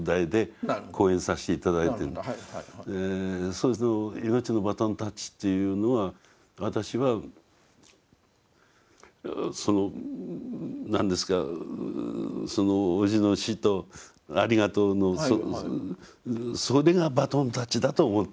その「命のバトンタッチ」っていうのは私はその何ですかそのおじの死とありがとうのそれがバトンタッチだと思ってるわけ。